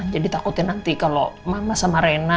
jadi takutnya nanti kalau mama sama rena